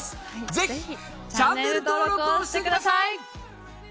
ぜひチャンネル登録をしてください！